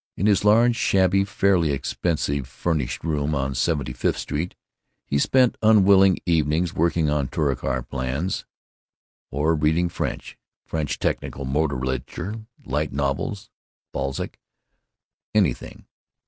In his large, shabby, fairly expensive furnished room on Seventy fifth Street he spent unwilling evenings, working on Touricar plans, or reading French—French technical motor literature, light novels, Balzac, anything.